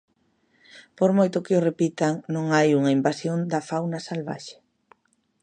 Por moito que o repitan non hai unha invasión da fauna salvaxe.